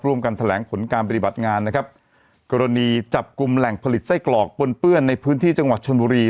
กันแถลงผลการปฏิบัติงานนะครับกรณีจับกลุ่มแหล่งผลิตไส้กรอกปนเปื้อนในพื้นที่จังหวัดชนบุรี